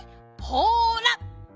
ほら！